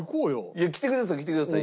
いや来てください来てください